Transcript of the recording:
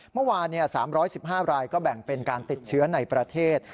เมื่อวานสามร้อยสิบห้ารายก็แบ่งเป็นการติดเชื้อในประเทศ